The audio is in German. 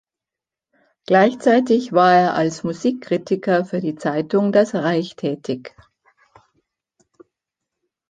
Gleichzeitig war er als Musikkritiker für die Zeitung „Das Reich“ tätig.